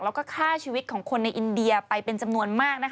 แล้วก็ฆ่าชีวิตของคนในอินเดียไปเป็นจำนวนมาก